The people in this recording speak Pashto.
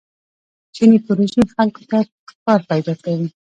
چیني پروژې خلکو ته کار پیدا کوي.